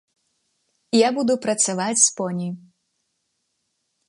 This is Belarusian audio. Я буду працаваць з поні.